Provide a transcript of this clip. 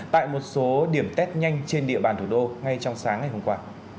tại một số điểm test nhanh trên địa bàn thủ đô ngay trong sáng ngày hôm qua